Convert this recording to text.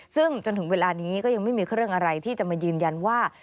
ซึ่งจนถึงเวลานี้ก็ยังไม่มีเครื่องอะไรที่จะมายืนยันว่า